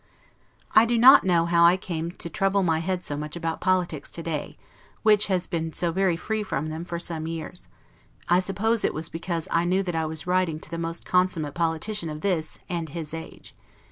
I do not know how I came to trouble my head so much about politics today, which has been so very free from them for some years: I suppose it was because I knew that I was writing to the most consummate politician of this, and his age.